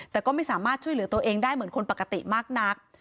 แต่ก็ไม่สามารถช่วยเหลือตัวเองได้เหมือนคนปกติมากนัก